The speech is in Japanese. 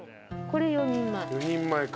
これ４人前。